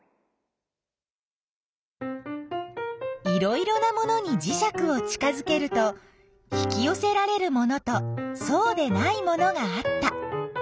いろいろなものにじしゃくを近づけると引きよせられるものとそうでないものがあった。